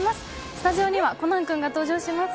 スタジオにはコナン君が登場します。